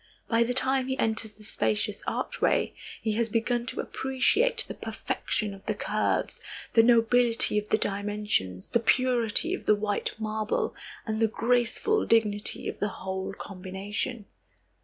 By the time he enters the spacious archway, he has begun to appreciate the perfection of the curves, the nobility of the dimensions, the purity of the white marble and the graceful dignity of the whole combination.